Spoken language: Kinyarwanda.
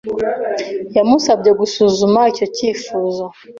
Yamusabye gusuzuma icyo cyifuzo.